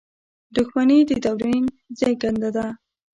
• دښمني د ناورین زېږنده ده.